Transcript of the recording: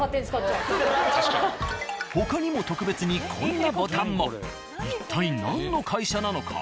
他にも特別にこんなボタンも。一体何の会社なのか？